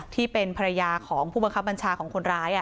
ที่เป็นภรรยาของผู้บังคับบัญชาของคนร้าย